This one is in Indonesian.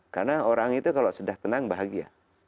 karena orang itu kalau sudah tenang bahagia